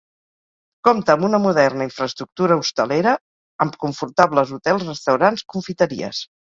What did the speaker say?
Compta amb una moderna infraestructura hostalera, amb confortables hotels, restaurants, confiteries.